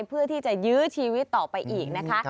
เพื่อที่จะยื้อชีวิตต่อไปอีกนะคะ